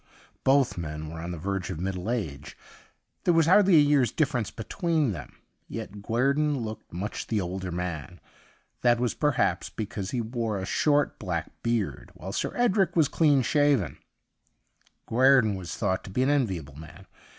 Both men were on the verge of middle age ; there was hardly a year's difference be tween them. Yet Guerdon looked much the older man ; that was, perhaps, because he wore a short, black beard, while Sir Edric was 135 THE UNDYING THING clean shaven. Guerdon was thought to be an enviable man.